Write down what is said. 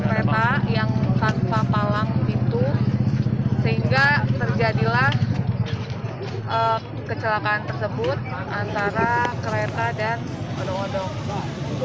kereta yang tanpa palang pintu sehingga terjadilah kecelakaan tersebut antara kereta dan odong odong